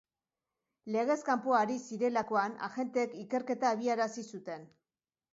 Legez kanpo ari zirelakoan, agenteek ikerketa abiarazi zuten.